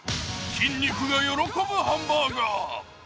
筋肉が喜ぶハンバーガー。